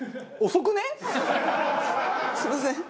すみません。